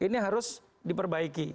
ini harus diperbaiki